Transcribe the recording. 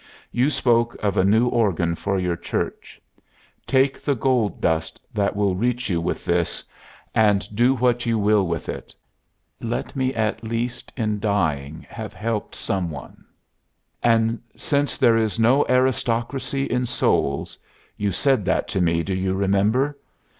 You spoke of a new organ for your church. Take the gold dust that will reach you with this, and do what you will with it. Let me at least in dying have helped some one. And since them is no aristocracy in souls you said that to me; do you remember?